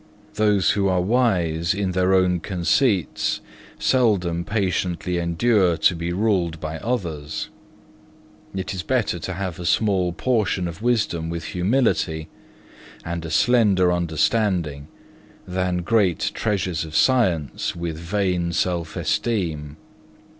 Those who are wise in their own conceits, seldom patiently endure to be ruled by others. It is better to have a small portion of wisdom with humility, and a slender understanding, than great treasures of sciences with vain self esteem.